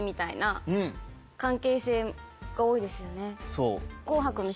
そう。